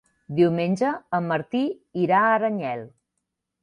Diumenge en Martí irà a Aranyel.